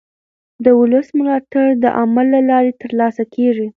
د ولس ملاتړ د عمل له لارې ترلاسه کېږي